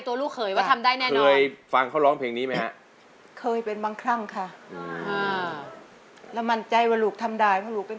คือความดีของเขาจะต้องชนะทุกอย่าง